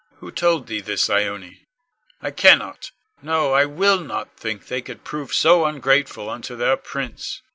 Who told thee this, Ione? I cannot no, I will not think they could prove so ungrateful unto their prince. Ione.